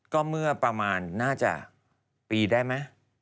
ก็เมื่อประมาณน่าจะปีได้ไหม